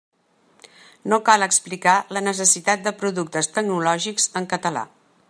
No cal explicar la necessitat de productes tecnològics en català.